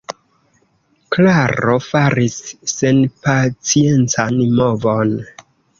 Klaro faris senpaciencan movon.